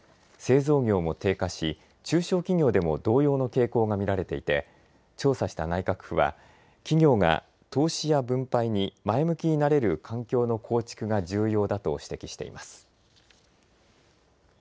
製造業も低下し、中小企業でも同様の傾向が見られていて、調査した内閣府は、企業が投資や分配に前向きになれる環境の構築が重要だと指摘しています。